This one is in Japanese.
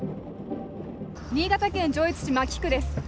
新潟県上越市牧区です。